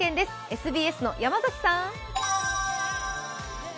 ＳＢＳの山崎さん。